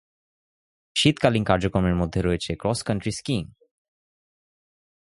শীতকালীন কার্যক্রমের মধ্যে রয়েছে ক্রস কান্ট্রি স্কিইং।